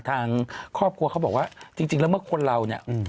ทางครอบครัวเขาบอกว่าจริงแล้วเมื่อคนเราเนี่ย